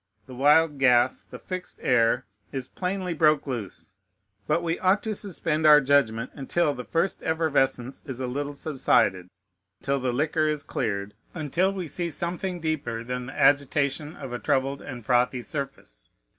The wild gas, the fixed air, is plainly broke loose: but we ought to suspend our judgment until the first effervescence is a little subsided, till the liquor is cleared, and until we see something deeper than the agitation of a troubled and frothy surface.